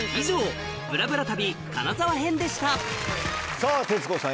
さぁ徹子さん